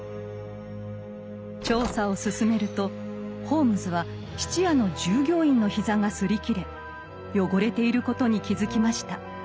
調査を進めるとホームズは質屋の従業員の膝が擦り切れ汚れていることに気付きました。